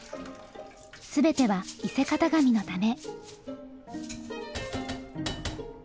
全ては伊勢型紙のため。